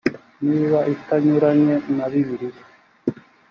niba itanyuranye na bibiliya